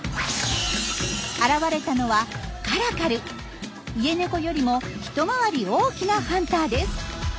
現れたのはイエネコよりも一回り大きなハンターです。